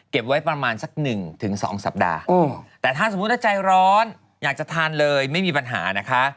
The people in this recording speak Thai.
เก็บไว้ประมาณสัก๑๒สัปดาห์แต่ถ้าสมมติว่าใจร้อนอยากจะทานเลยไม่มีปัญหานะคะ